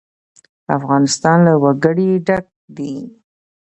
افغانستان له وګړي ډک دی.